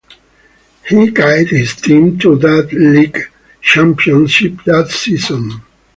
He guided his team to that league championship that season.